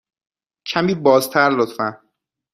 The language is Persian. کمی بازتر، لطفاً.